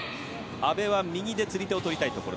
阿部は右で釣り手をとりたいところ。